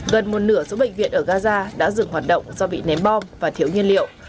gần một nửa số bệnh viện ở gaza đã dừng hoạt động do bị ném bom và thiếu nhiên liệu